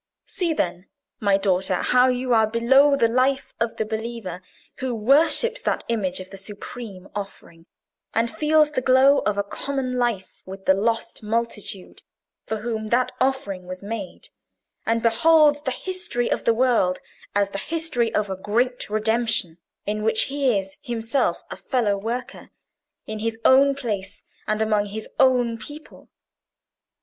See, then, my daughter, how you are below the life of the believer who worships that image of the Supreme Offering, and feels the glow of a common life with the lost multitude for whom that offering was made, and beholds the history of the world as the history of a great redemption in which he is himself a fellow worker, in his own place and among his own people!